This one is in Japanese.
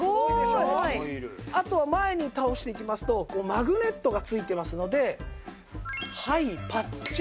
あとは前に倒していきますとマグネットがついてますのではいパッチン。